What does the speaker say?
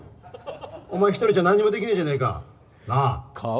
お前１人じゃ何もできねぇじゃねぇか、なぁ！